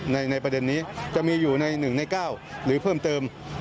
ในประเด็นนี้จะมีอยู่ใน๑ใน๙หรือเพิ่มเติม